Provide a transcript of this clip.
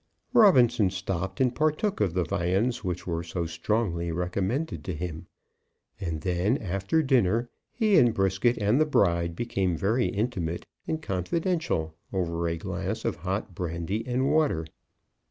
Robinson stopped and partook of the viands which were so strongly recommended to him; and then, after dinner, he and Brisket and the bride became very intimate and confidential over a glass of hot brandy and water.